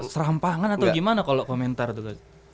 serampangan atau gimana kalau komentar tuh